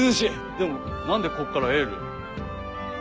でも何でここからエール？